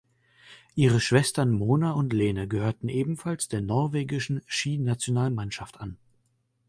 Ihre Schwestern Mona und Lene gehörten ebenfalls der norwegischen Skinationalmannschaft an.